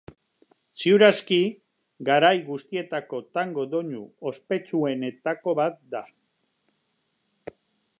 Ziur aski garai guztietako tango doinu ospetsuenetako bat da.